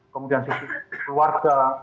kemudian sisi keluarga